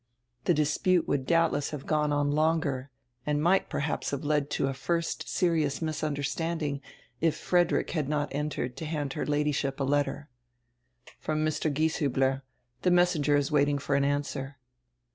The dispute would doubdess have gone on longer and might perhaps have led to a first serious misunderstanding if Frederick had not entered to hand her Ladyship a letter. "From Mr. Gieshiibler. The messenger is waiting for an answer."